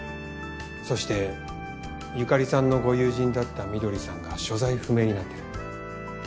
そして由香里さんのご友人だった翠さんが所在不明になってる。